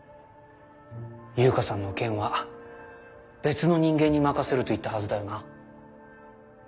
悠香さんの件は別の人間に任せると言ったはずだよな？